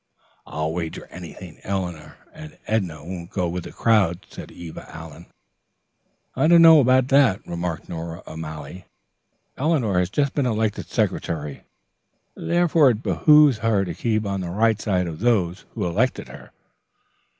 "I'll wager anything Eleanor and Edna won't go with the crowd," said Eva Allen. "I don't know about that," remarked Nora O'Malley. "Eleanor has just been elected secretary, therefore it behooves her to keep on the right side of those who elected her."